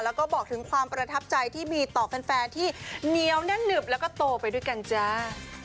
แล้วก็บอกถึงความประทับใจที่มีต่อแฟนที่เหนียวแน่นหนึบแล้วก็โตไปด้วยกันจ้า